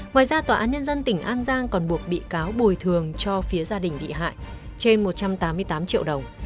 ngoài ra tòa án nhân dân tỉnh an giang còn buộc bị cáo bồi thường cho phía gia đình bị hại trên một trăm tám mươi tám triệu đồng